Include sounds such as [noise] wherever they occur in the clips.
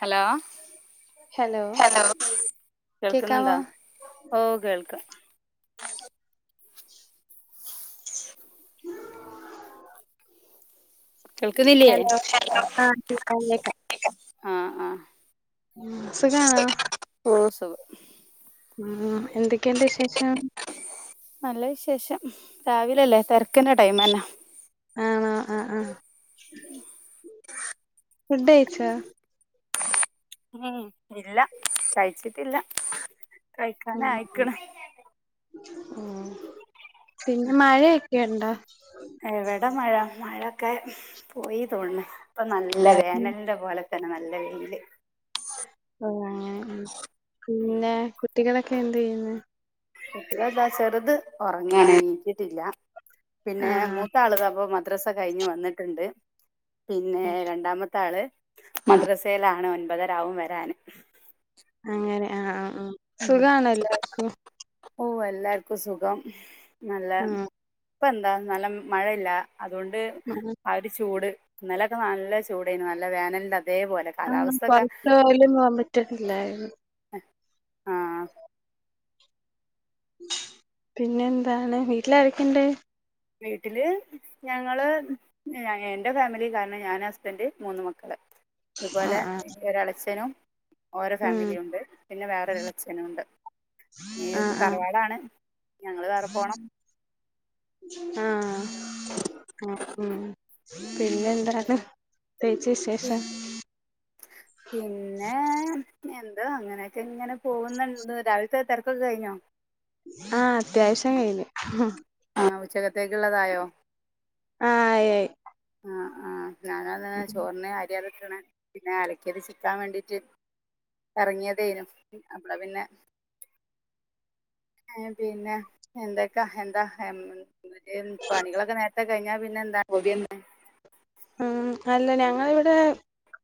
Hello hello കേൾക്ക്ന്ന്ണ്ടോ കേക്കാമോ ഓഹ് കേൾക്കാം [inaudible] കേൾക്ക്ന്നില്ല്യേ ഹലോ ആ കേക്കാം കേക്കാം ആഹ് ആഹ് ഉം സുഖാണോ ഓ സുഖം ഉം എന്തൊക്കെയുണ്ട് വിശേഷം നല്ല വിശേഷം രാവിലെ അല്ലേ തിരക്കിന്റെ ടൈമെന്നെ ആഹ് അ ആഹ് ഫുഡ് കഴിച്ചോ ഉം ഇല്ല കഴിച്ചിട്ടില്ല ഉം ഉം കഴിക്കാനായിക്കണ് പിന്നെ മഴയൊക്കെ ഇണ്ടോ എവിടെ മഴ മഴൊക്കെ പോയി തോന്ന്ണ് ഇപ്പം നല്ല ഉം വേനലിന്റെ പോലെ തന്നെ നല്ലെ വെയില് ഏ ഉം പിന്നെ കുട്ടികളൊക്കെ എന്ത് ചെയ്യ്ന്നേ പിന്നെന്താ ചെറ്ത് ഒറങ്ങാണ് എണീറ്റിട്ടില്ല പിന്നെ ആ മൂത്താള് ഇതാപ്പം മ ദ്രസ കഴിഞ്ഞ് വന്ന്ട്ട്ണ്ട് പിന്നെ ഓക്കെ രണ്ടാമത്തെ ആള് മദ്രസയിലാണ് ഒൻപതരാവും വരാന് അങ്ങനെ ആ ആ ഉം സുഖാണോ എല്ലാർക്കും ഓ എല്ലാർക്കും സുഖം നല്ലെ ഉം ഇപ്പ എന്താ നല്ല മഴല്ല അതുകൊണ്ട് ഉം ആ ഒര് ചൂട് ഇന്നലൊക്കെ നല്ല ചൂടേന്നു നല്ല വേനലിന്റെ അതേപോലെ ആഹ് കാലാവസ്ഥൊക്കെ കൊറച്ച് പോലും പോകാൻ പറ്റുന്നില്ലായിരുന്നു ആഹ് പിന്നെന്താണ് വീട്ടിൽ ആരൊക്കേണ്ട് വീട്ടില് ഞങ്ങള് ഞഎന്റെ ഫാമിലി കാരണം ഞാൻ ഹസ്ബൻ്റ് മൂന്ന് മക്കള് ആ അതുപോലെ ആ ഒരളച്ചനും ഓരേ ഉം ഫാമിലിയുംണ്ട് പിന്നെ വേറൊരുളചനുണ്ട് ആ ഈത് ആ തറവാടാണ് ഞങ്ങള് വേറെ പോണം [inaudible] ആ അ ഉം പിന്നെ ന്താണ് തേച് വിശേഷം പിന്നേ എന്താ അങ്ങനെയൊക്കെ ങ്ങെനെ പോവുന്ന്ണ്ട് രാവിലത്തെ തെരക്കൊക്കെ കഴിഞ്ഞോ ആ അത്യാവിശ്യം കഴിഞ്ഞു [unintelligible] ആ ഉച്ചകത്തേക്ക്ള്ളതായോ ആ യി യായ് ആ ആ ഞാനൊതാ ചോറിന് അരിഅ ക്ണ് പിന്നെ അലക്കേത് ചിക്കാൻ വേണ്ടീട്ട് എറങ്ങിയേതേനും അപ്പളാപിന്നെ ഏ പിന്നെ എന്തെക്കാ എന്താ [unintelligible] പണികളൊക്കെ നേരത്തെ ഞാ പിന്നെന്താ യെന്ന് മ് അല്ല ഞങ്ങളിവ്ടെ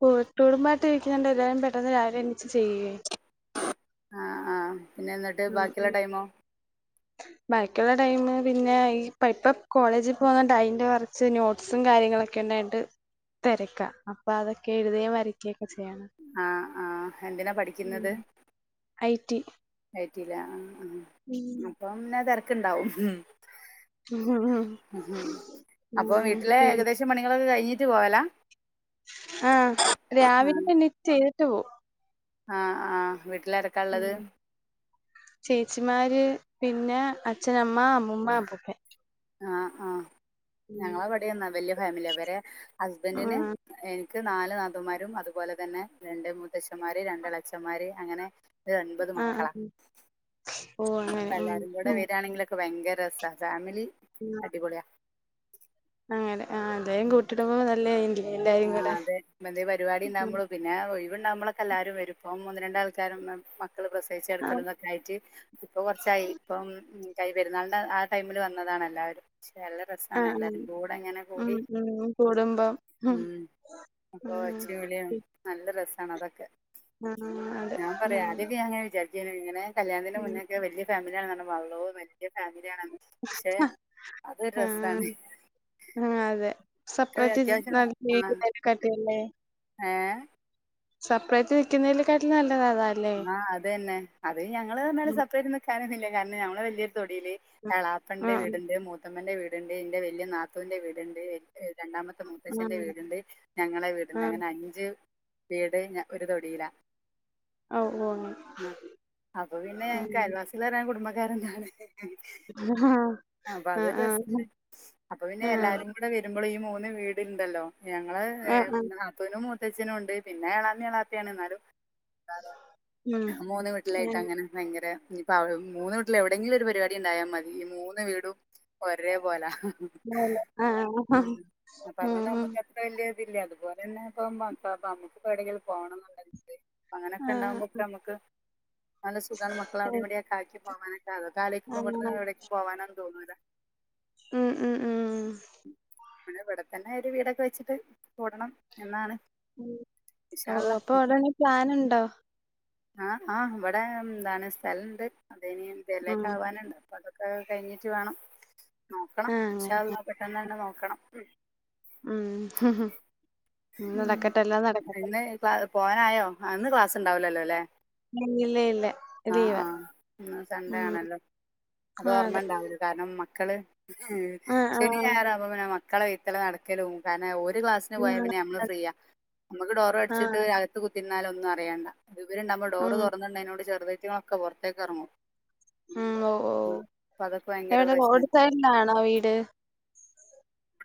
കൂട്ടുടുബായിട്ട് രിക്കന്നണ്ട് എല്ലാരും പെട്ടെന്ന് രാവിലെ നീച്ച് ചെയ്യേ ആ ആ പിന്നെ ന്നട്ട് ഉം ഉം ബാക്കിയ്ള്ള ടൈമോ ബാക്കിയുള്ള ടൈം പിന്നെ ഈ പ്പൈപപ് കോളേജിക് പോവാൻ ടൈന്റെറൊച്ച് നോട്ട് സും കാര്യങ്ങളൊക്കെണ്ടായിട്ട് തെരക്കാ അപ്പൊ അതൊക്കെ എഴുതേം വരയ്ക്കേംക്കെ ചെയ്യണം ആ ആ എന്തിനാ പഠിക്ക് മ് ഐടി ഐറ്റിലെ ആ ആ ഉം [inaudible] അപ്പംന്നെ തിരക്ക്ണ്ടാവും ഉം മ് ഹും അപ്പൊ വീട്ടിലെ പിന്നെ ഏകദേശം പണികളൊക്കെ കഴിഞ്ഞിട്ട് പോവലാ ആ രാവിലതന്നെറ്റ് ചെയ്തിട്ട് പോവു ആ ആ വീട്ടിലാരൊക്ക് മ് ചേച്ചിമാര് പിന്നെ അച്ഛന മ്മ അമ്മൂമ്മ അപ്പൂപ്പന് ആ ആ ഞങ്ങളെവിടെന്നാ വലൃയ ഫാമിലിയ വരെ ഹസ്ബൻ്റിന് ആഹ് എ ക്ക് നാല് നതൂന്മാരും അതുപോലെ തന്നെ രണ്ട് മുത്തച്ഛന്മാര് രണ്ട് എളച്ചന്മാര് അങ്ങനെ ര് ഒൻപത് ആഹ് മക്കളാ ആഹ് ഓ അങ്ങനെ ഉം എല്ലാരും കൂടെ ഉം വരാണെങ്കിലൊക് ഭയങ്കരസ ഫാമിലി ഉം അടിപൊളിയ അങ്ങനെ ആ അദ്ഹം കൂട്ടിടുമ്പോ നല്ലേയങ്കി ആ അതെ ത്നേപരിപാടി ണ്ടാവുമ്പളൊതിൻ പിന്നെ ഒഴിവുണ്ടാമ്പളൊക്കെ എല്ലാരും വരുംപ്പൊ മൂന്ന് രണ്ട് ആൾക്കാരും മേ മക്കള് ആഹ് പ്രസവിച്ചടുക്കലുംതൊക്കേയിട്ട് ഇപ്പൊ കൊറച്ചായി ഇപ്പം കൈ പെരുന്നാളിൻ്റെ ആ ടൈമില് വന്നതാണ് എല്ലാവരും ക്ഷെല് രസാണ് ആഹ് എല്ലാരുകൂടെ ങ്ങനെ ഉം കൂടി ഉം കൂടുമ്പം ഉം മ് അപ്പൊ ഉം ഒച്ചിംവിളിയിംനല്ല രസാണ് അതൊക്കെ ആഹ് അതെ ഉം ഞാപറയാ ആദ്യൊക്കെ ഞൻ വിജാര് ജനിങ്ങനെ കല്യാണത്തിന് ഉം മുന്നേക്കെ വലൃയ ഫാമിലിയാണെന്ന്റഞപ്പൊ അള്ളോ വല്ലൃഫാമിലിയാണോ ക്ഷെ അതൊരു രസമാണ് ആ അതെ സപ്രേറ്റ് അത്യാവശ്യം നല്ലീ [unintelligible] കട്ടിയല്ലേ ഏ സപ്പറേറ്റ് വെക്കുന്നതിലേക്കാട്ടിലും നല്ലതാതാ ആ അതന്നെ അതെ ഞങ്ങള്ന്നറിഞാൽ സപ്പ്റേറ്റ് നിക്കാനൊന്നില്ല കാരണം ഞങ്ങള് വല്യൊരു തൊടീല് എളാപ്പന്റെ ആഹ് വീട്ണ്ട് മൂത്തമ്മന്റെ വീട്ണ്ട് ന്റെ വലൃനാത്തൂന്റെ വീട്ണ്ട് രണ്ടാമത്തെ മുത്തചന്റെ ആഹ് വീട്ണ്ട് ഞങ്ങളെ വീട്ണ്ട് ആഹ് അങ്ങനെ അഞ്ച് വീട് ഞ ഒരു തൊടീലാ ഓഹ് ഓഹ് ആഹ് അപ്പൊ പിന്നെ ഞൻങ്ങ്ക് അയൽവാസികള് വരാൻ കുടുംബക്കാരെന്നാണ് ആഹ് അപ്പൊ അതൊരസന്നെ അപ്പൊ പിന്നെ ആഹ് എല്ലാരും ഇവിടെ വരുമ്പള് ഈ മൂന്ന് വീട്ണ്ടല്ലോ ഞങ്ങള് [unintelligible] ഇങ്ങനെ ആഹ് ആഹ് നടക്കും. [unintelligible] മുത്തച്ഛനും ഇണ്ട്. പിന്നെ എളാമിം എളാപ്പിയാണ് എന്നാലും [unintelligible] മൂന്ന് ഉം വീട്ടിലായിട്ടങ്ങനെ ഭയങ്കര ഇനിപ്പ മൂന്ന് വീട്ടില് എവിടെങ്കിലും ഒരു പരിപാടി ഇണ്ടായൽ മതി ഈ മൂന്ന് വീടും ഒരേ പോലാ ആ ഉം അപ്പതോണ്ട് ഉം നമ്മക്ക് എൻ വല്ല്യ ഇതില്ല അതുപോലെന്നെ ഇപ്പം മക്ക നമക്ക് എവിടെകിലും പോണന്ന്ണ്ടകിൽ അങ്ങനെയൊക്കെ ആ ഇണ്ടാവുമ്പോക്കെ നമ്മക്ക് നല്ല സുഖാണ് മക്കളെ അവിടിം ഇവിടെക്കെ ആക്കി പോകാനൊക്കെ. പിന്നെ അതൊ ആ ആലോയിക്കുമ്പം ഇവട്ന്ന് എവിടേക്കും പോകാനൊന്നും തോന്നൂല. ഉം ഉം ഉം അങ്ങനെ ഇവടെ തന്നെ ഒരു വീടൊക്കെ വെച്ചിട്ട് കൂടണം എന്നാണ് ഓഹ് വിശാല ഓഹ് അപ്പൊ അതാണി പ്ലാനിണ്ടോ? ആഹ് ആഹ് ഇവിടെ എന്താണ് സ്ഥലണ്ട്. അതിനി ആ പേരിലേക്കാവാന്ണ്ട്. പ്പം അതൊക്കെ കഴിഞ്ഞിട്ട് വേണം ആ നോക്കണം ഇൻഷാ അങ്ങനെ അള്ളാഹ് പെട്ടെന്നന്നെ നോക്കണം. ഉം നടക്കട്ടെ എല്ലാം നടക്കട്ടെ. [unintelligible] പോകാനായോ ആ ഇന്ന് ക്ലാസ് ഇണ്ടാവൂല്ലല്ലോല്ലേ ഇല്ല ഇല്ല ആഹ് ലീവാ ആഹ് ഇന്ന് സൺഡേ ഉം ആണല്ലോ. ആ അതോർമ്മ അതെ ഇണ്ടാവൂല കാരണം മക്കള് ഉം ആ ആ ശെനിം ഞായറാവുമ്പം പിന്നെ മക്കളെ വെയ്ത്തലെ നടക്കലും കാരണം ഓര് ക്ലാസ് ന് പോയാപിന്നെ നമ്മള് ഫ്രീയാ. നമുക്ക് ഡോറ് ആ ആ, അടിച്ചിട്ട് അകത്ത് കുത്തിരുന്നാലൊന്നും അറിയണ്ട. ഇത് ഇവര്ണ്ടാവുമ്പം ഡോറ് ഉം തുറന്ന്ട്ണേനോട് ചെറുതേറ്റങ്ങളൊക്കെ പുറത്തേക്ക് ഇറങ്ങും. ഉം ഉം ഓഹ് അപ്പൊ അതൊക്കെ ഭയങ്കര എവിടെ പ്രശ്നാ റോഡ് സൈഡിലാണോ വീട്?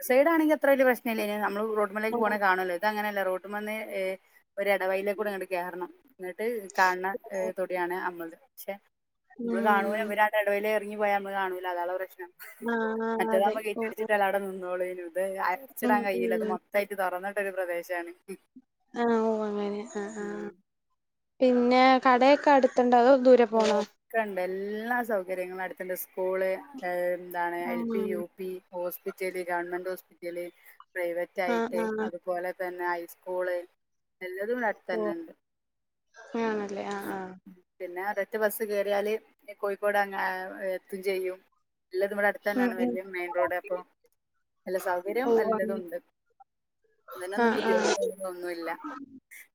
സൈഡാണെങ്കി അത്രവലിയ പ്രശനല്ലേയിനി നമ്മള് റോഡ്മ്മലേക്ക് ഉം പോണ കാണുല്ലോ ഇത് അങ്ങനെയല്ല റോഡുമ്മെന്ന് ഒരു എടവഴിലേകൂടെ ഇങ്ങട് കേറണം. എന്നട്ട് കാണണ തൊടിയാണ് അമ്മൾട്ത് പക്ഷെ നമ്മള് കാണൂല ഇവര് എടവഴീല് ഇറങ്ങി പോയാ മ്മള് കാണൂല്ല അതാൺളാ പ്രശ്നം. ആ ആ അതെ മറ്റേതാവുമ്പം ഓ ഓ ഗേറ്റടിച്ചിട്ടാൽ അവ വിടെ നിന്നോളേനു. ഇത് ഉം അടച്ചിടാൻ കഴിയില്ല. ഇത് ഉം മൊത്തായിട്ട് തുറന്നിട്ടൊരു പ്രദേശാണ്. ആഹ് ഓ അങ്ങനെ ഉം പിന്നെ കടയൊക്കെ അടുത്ത്ണ്ടോ അതോ ദു ഒക്കെണ്ട് എല്ലാ സൗകര്യങ്ങളും അടുത്ത്ണ്ട് സ്കൂള് ണ്ട് എന്താണ് L P, U P, hospital, government hospital ആഹ് പ്രൈവറ്റായിട്ട് ആഹ് ആഹ് അതുപോലെ തന്നെ ഹൈസ്കൂള് എല്ലതും ഇവടെ ഓഹ് ആണല്ലേ ആഹ് ആഹ് പിന്നെ ഒരൊറ്റ ബസ്സ് കേറിയാല് കോഴിക്കോട് അങ്ങ ഏ എത്തും ചെയ്യും. എല്ലതും ഇവടെ ഉം അടുത്തന്നെയാണ്. ഉം വലിയ മെയിൻ റോഡ് അപ്പം നല്ല ഓ സൗകര്യം അങ്ങനെ എല്ലതും ഇണ്ട്. അതിനൊന്നും ആഹ് ആഹ് ബുദ്ധിമുട്ടോ ഒന്നുല്ല.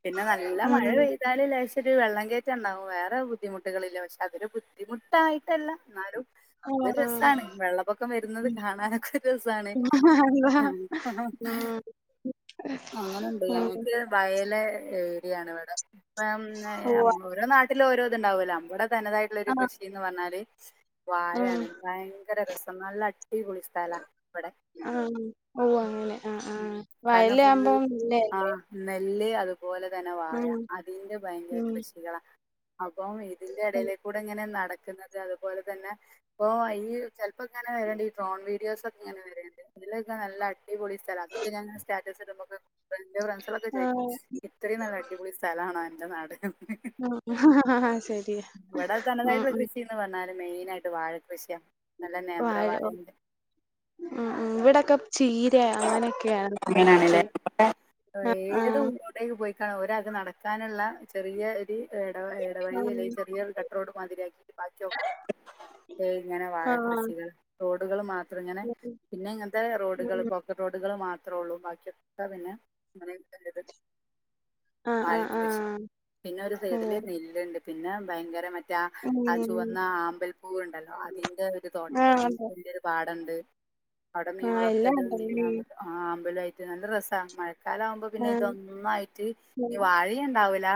പിന്നെ നല്ല മഴ ഉം പെയ് മഴക്കാലം ലേശൊര് വെള്ളം കെട്ട് ക്കെണ്ടാവും വേറെ ബുദ്ധിമുട്ടുകളില്ല. പക്ഷെ അതൊരു ബുദ്ധിമുട്ടായിട്ടല്ല എന്നാലും ആഹ് അതൊര് രസാണ്. വെള്ളപ്പൊക്കം വരുന്നത് കാണാനൊക്കെ ഒരു രസാണ്. അതാ ഉം [unintelligible] അങ്ങനെണ്ട് ഉം ഞങ്ങക്ക് വയല് ഏരിയാണ് ഇവിടെ. ഇപ്പം ഉവ്വ ഓരോ നാട്ടി ലും ഓരോത് ഇണ്ടാവെല്ലൊ. നമ്മടെ തനതായിട്ടുള്ള ഒരു ആഹ് കൃഷിന്ന് പറഞ്ഞാല് ഉം വാഴാണ്. [unintelligible] ഭയങ്കര രസം നല്ല അടിപൊളി സ്ഥല ആഹ് ഓ അങ്ങനെ ആഹ് ആഹ് വയലാവുമ്പോം ല്ലെ ആഹ് നെല്ല് അതുപോലെതന്നെ വാഴ ഉം അതിന്റെ ഭയങ്കര ഉം കൃഷികളാ. അപ്പം ഇതിന്റെ എടയിലേക്കൂടെ ഇങ്ങനെ നടക്കുന്നത് അതുപോലെ തന്നെ പ്പോ അയിന് ചിലപ്പോക്കെങ്ങനെ ണ്ട് ഈ ഡ്രോൺ വീഡിയോസൊക്കെ ഇങ്ങനെ വരേണ്ട്. ഇതിലൊക്കെ നല്ല അടിപൊളി സ്ഥലാ അതൊക്കെ ഞന്ങ്ങനെ സ്റ്റാറ്റ സ്റ്റാറ്റസ് ഇടുമ്പോക്കെ എൻ്റെ ഫ്രണ്ട്സാലൊക്കെ ചോയിക്കും, ആഹ് ഇത്രിം നല്ല അടിപൊളി സ്ഥലണോ അൻ്റെ നാട്. [unintelligible] ശെരിയാ ആ ആ ന്ത് പറഞ്ഞാല് മെയിനായിട്ട് വാഴകൃഷിയാ. വാഴ ഓ ഉം ഉം ഇവിടൊക്കെ ചീരാ അങ്ങനെയൊക്കെയാണ്. അങ്ങനാണല്ലേ കൃഷി [unintelligible] ഏത് ആഹ് പയോഗിക്കാന് ഒരാക് നടക്കാന്ള്ള ചെറിയ ഈ എടവയി എടവഴിയിലെ ആഹ് ചെറിയൊരു കട്ടറോട്ട് മാതിരിയാക്കിറ്റി ബാക്കി ഒക്കെ ഇങ്ങനെ വാഴ ആഹ് കൃഷികൾ റോഡുകള് മാത്രം ങ്ങനെ പിന്നെ ങ്ങൻത്തെ റോഡ് ഉം പോക്കറ്റ് റോഡുകള് മാത്രൊള്ളൂ, ബാക്കിയൊക്കെ പിന്നെ അങ്ങെനെ [unintelligible] ആഹ് വഴ ആഹ് കൃഷി ആഹ് പിന്നെ ഒരു സൈഡില് ഓഹ് നെല്ലുണ്ട് പിന്നെ ഭയങ്കര മ മറ്റെ ആ ഉം ചുവന്ന ആമ്പൽപ്പൂവ്ണ്ടല്ലോ, അതിന്റെ ഒരു തോട്ട ആഹ് ഒരു അതെ വല്ലിയൊരു പാടണ്ട്. ആഹ് എല്ലാം ഉണ്ട [unintelligible] ആഹ് ആമ്പലായിട്ട് നല്ല രസാ മഴ ഴക്കാലാവുമ്പോ പിന്നെ ആഹ് ഇതൊന്നായിട്ട് ഈ വാഴിണ്ടാവൂലാ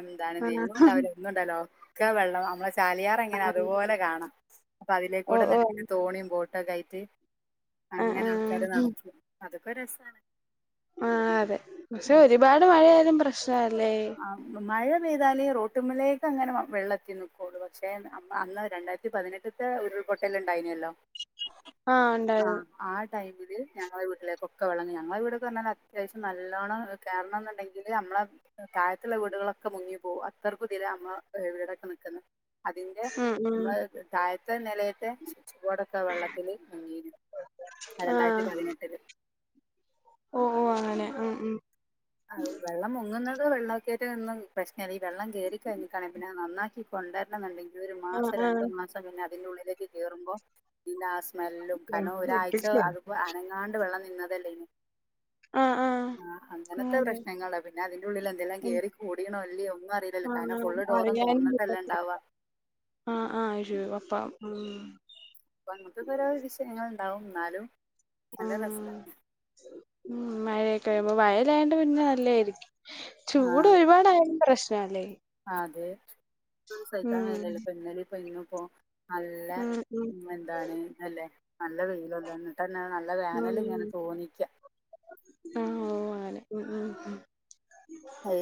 എന്താണ്‌ നെല്ലു ആഹ് ണ്ടാവൂല ന്നുണ്ടല്ലോ ഒക്കെ വെള്ളം നമ്മളെ ചാലിയാറെങ്ങനാ ആഹ് അതുപോലെ കാണാ. അപ്പൊ അതിലേക്കൂടെ ഓഹ് നെടുക്കിട്ട് ഓഹ് തോണിം ബോട്ടൊക്കെ ആയിട്ട്, ആഹ് അങ്ങനെ ആൾക്കാര് ആഹ് നടക്കും. അതൊക്കെ രസാണ്. ആ അതെ പക്ഷെ ഉം. ഒരുപാട് മഴയാലും പ്രശ്നാല്ലേ? ആ മഴ പെയ്താല് റോട്ട്മ്മലേക്കങ്ങനെ വെള്ളത്തി നിക്കൊള്ളൂ പക്ഷേ അന്ന് അമ്മ അന്ന് രണ്ടായി പതിനെട്ട്ത്തെ ഉരുൾപൊട്ടല് ണ്ടായിനല്ലോ. ആഹ് ണ്ടായിന്ന്. ആഹ് ടൈമില് ഞങ്ങളെ വീട്ടിലേകൊക്കെ വെള്ളന്ന് ഞങ്ങളെ വീടൊക്കെറഞ്ഞാൽ അത്യാവശ്യം നല്ലോണം കേറണംന്ന്ണ്ടെങ്കില് അമ്മളെ താഴത്തുള്ള വീടുകളൊക്കെ മുങ്ങിപ്പോകും അത്രക്കുതിലാ അമ്മ വീടൊക്കെ നിക്ക്ന്ന്. അതിന്റെ ഉം ഉം മ്മള തഴത്തെ നിലയത്തെ സ്വിച്ച്ബോടൊ വെള്ളത്തില് മുങ്ങീന്നു രണ്ടായിരത്തി ആഹ് പതിനെട്ടില്. ഓഹ് അങ്ങനെ ഉം ഉം. അ ഉ വെള്ളം മുങ്ങുന്നത് വെള്ളൊക്കെട്ട് നിന്നും പ്രശ്നംല്ല, ഈ വെള്ളം കേറി കഴിഞ്ഞിട്ടാണെ പിന്നെ നന്നാക്കി കൊണ്ടരണം ന്നുണ്ടെങ്കില് ഒരു ആഹ് മാസം രണ്ടു ആഹ് മാസം പിന്നെ അതിന്റെള്ളിലേക്ക് കേറുമ്പോ ഇന്റെ ആ സ്മെല്ലും കാരണം ഒരാഴ്ച അത് അനങ്ങാണ്ട് വെള്ളം നിന്നതല്ലേ ഇനി ആഹ് ആഹ്. അങ്ങനത്തെ അങ്ങനെ പ്രശ്നങ്ങള പിന്നെ അതിന്റെള്ളില് എന്തെല്ലാം ഉം കേറി കൂടിനൊല്ലിയൊ ഒന്നു അറീലല്ലോ കാരണം ആഹ് ഫുള് ഡോറും അറിയാനും തൊറ പറ്റത്തില്ല ട്ടല്ലേണ്ടാവാ. ആഹ് ആഹ് അത് ശരി അപ്പം ഉം. അപ്പങ്ങൻത്തെ ക്കോരോ വിശയങ്ങള് ണ്ടാവും ന്നാലും ആഹ് ഉം മഴയൊക്കെവുമ്പ മയല്ലായൊണ്ട് പിന്നെ നല്ലേരിക്കും. ചൂട് ഒരുപാടായാലും പ്രശ്നാല്ലേ? ആ അതെ ചൂട് സൈക്കാ കയില്ലല്ലോ ഇപ്പൊന്നലെ പ്പൊ ഇന്നും പ്പോ നല്ല ഉം എന്താണ് അല്ലെ നല്ല വെയിലല്ലേ എന്നിട്ട്ന്നെ നല്ല വോനല്ങ്ങനെ തോന്നിക്കാ ഉം ഉം അങ്ങനൊക്കെ ഉം ഉം.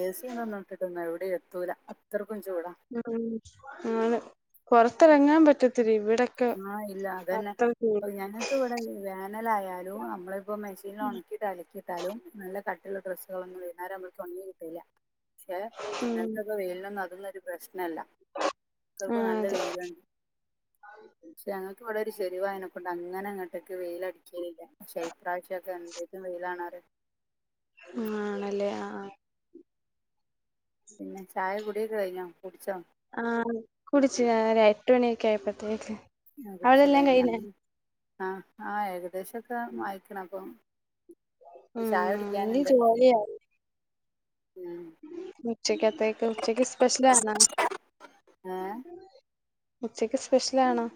ഏസി ഒന്ന്ന്നിട്ടിട്ടും എവിടേം എത്തൂല അത്രക്കും ചൂടാ. ഉം ഉം അതെ പുറത്തിറങ്ങാ പറ്റത്തില്ല ഇവിടെ ആഹ് ഇല്ല, അതന്നെ പ്പ പിന്നെങ്ങക്ക് ഞ ഇവടെ വേനലായാലും നമ്മള് ഇപ്പോ മെഷീല് ഒണക്കി ട്ടലക്കിട്ടാലും നല്ല കട്ടിള്ള ഡ്രസ്സുകളൊന്നും വൈന്നാരാവുംമ്പക്ക് ഒണങ്ങി കിട്ടൂലാ. പക്ഷെ ഉം ഇന്നൽത്തൊക്കെ വെയിൽ നോന്നും അതൊന്നൊരു പ്രശ്നല്ല, ഇത്രക്കും ആഹ് നല്ല അതെ വെയില് [inaudible] ക്ഷെ ഞങ്ങക്കിവടെ ഒരു ചെരുവായനക്കൊണ്ട് അങ്ങനെ അങ്ങോട്ടൊക്കെ വെയില അടിക്കലില്ല പഷേ ഇപ്രാവശ്യംക്കെ എന്ത് ന്ത് വെയിലാണോറിയോ. ആഹ്ണല്ലേ ആ ആ. പിന്നെ ചായ കൂടിയൊക്കെ കയിഞ്ഞോ കുടിച്ചോ? ആഹ കുടിച്ചു എട്ട് മണിയൊക്കെ ആയിപ്പത്തേക്ക് ആ കുടിച്ചല്ലേ ഞങ്ങ ആ ആ ഏകദേശംക്കെ വായി അപ്പം ഉം ചായ ഇനി കുടിക്കാനുണ്ട് ഉം ഉച്ചക്ക് അത്തക് ഉച്ചക്ക് സ്പെഷൽ ആണോ ഏഹ് ഉച്ചയ്ക്ക് സ്പെഷ്യൽ ആണോ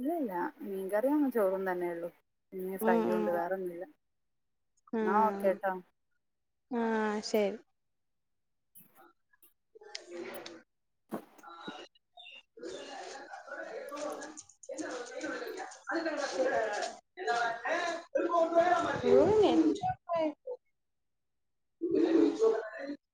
ഇല്ല ഇല്ല മീൻകറിം ചോറും തന്നെ ഉള്ളൂ മീൻ ഫ്രൈ ഉം ഉണ്ട് വേറെൊന്നുംമല്ല ന്നാ ഓക്കേ ട്ടോ. ആ ശരി [unintelligible] [inaudible] [unintelligible] [inaudible] [inaudible] [inaudible]